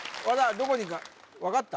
どこにいるか分かった？